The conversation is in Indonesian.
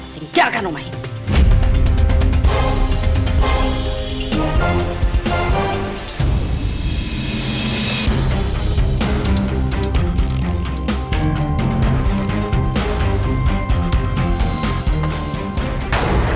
tinggalkan rumah ini